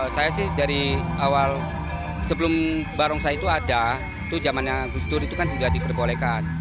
saya sih dari awal sebelum barongsa itu ada itu jamannya wushu itu kan juga diperbolehkan